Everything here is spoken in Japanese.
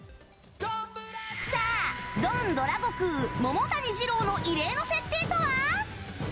さあ、ドンドラゴクウ桃谷ジロウの異例の設定とは？